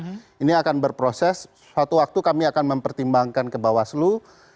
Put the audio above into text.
jadi kita akan berproses suatu waktu kami akan mempertimbangkan ke bawaslu